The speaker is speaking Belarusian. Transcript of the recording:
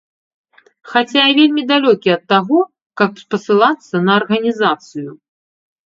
Хаця я вельмі далёкі ад таго, каб спасылацца на арганізацыю.